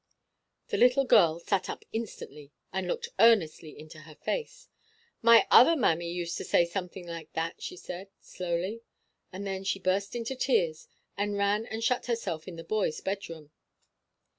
The little girl sat up instantly, and looked earnestly into her face. "My other mammy used to say something like that," she said, slowly. And then she burst into tears, and ran and shut herself in the boys' bedroom.